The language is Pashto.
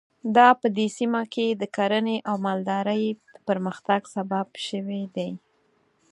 دا په دې سیمه کې د کرنې او مالدارۍ پرمختګ سبب شوي دي.